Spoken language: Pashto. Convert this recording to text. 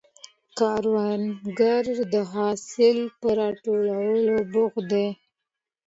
کروندګر د حاصل پر راټولولو بوخت دی